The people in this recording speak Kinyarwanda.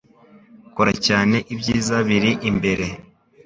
Kora cyane Ibyiza biri imbere.